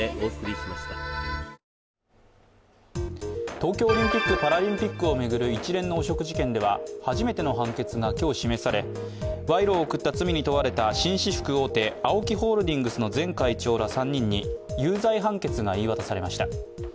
東京オリンピック・パラリンピックを巡る一連の汚職事件では初めての判決が今日示され賄賂を贈った罪に問われた紳士服大手ＡＯＫＩホールディングスの前会長ら３人に有罪判決が言い渡されました。